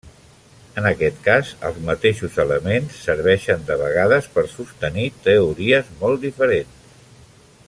En aquest cas, els mateixos elements serveixen de vegades per sostenir teories molt diferents.